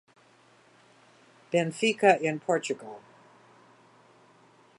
Benfica in Portugal.